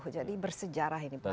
jadi bersejarah ini pak